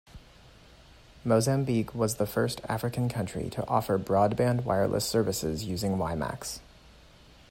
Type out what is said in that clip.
Mozambique was the first African country to offer broadband wireless services using WiMax.